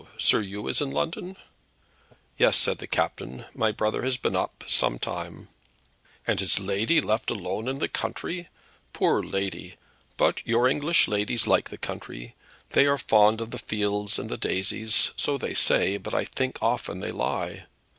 Sir Oo is in London?" "Yes," said the captain; "my brother has been up some time." "And his lady left alone in the country? Poor lady! But your English ladies like the country. They are fond of the fields and the daisies. So they say; but I think often they lie.